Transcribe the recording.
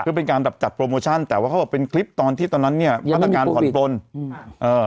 คือเป็นการแบบจัดโปรโมชั่นแต่ว่าเขาเป็นคลิปตอนที่ตอนนั้นเนี่ยยังไม่มีโปรโมชั่นอืมเอ่อ